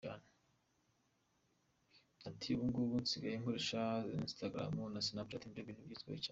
Ati “ Ubu ng’ubu nsigaye nkoresha instagram na snapchat nibyo bintu bigezweho cyane.